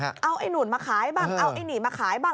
เอาไอ้นู่นมาขายบ้างเอาไอ้นี่มาขายบ้าง